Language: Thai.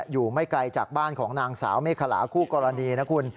อยู่ไม่ไกลจากบ้านของนางสาวเมฆขลาคู่กรณีนะคุณ